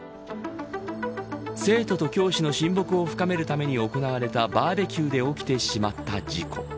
生徒と教師の親睦を深めるために行われたバーベキューで起きてしまった事故。